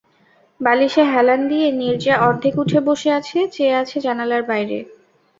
বালিশে হেলান দিয়ে নীরজা অর্ধেক উঠে বসে আছে, চেয়ে আছে জানালার বাইরে।